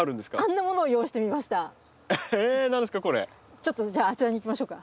ちょっとじゃああちらに行きましょうか。